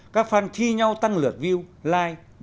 các fan thi nhau tăng lượt view like